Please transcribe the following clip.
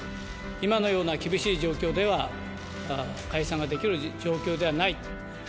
今のような厳しい状況では、解散ができる状況ではないと。